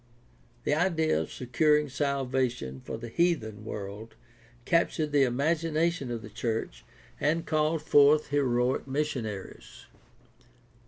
The idea of securing salvation for the heathen world captured the imagination of the church and called forth heroic missionaries.